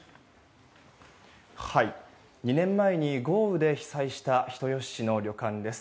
２年前に豪雨で被災した人吉市の旅館です。